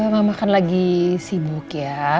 mama kan lagi sibuk ya